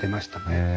へえ。